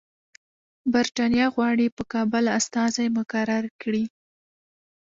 برټانیه غواړي په کابل استازی مقرر کړي.